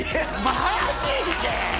マジで？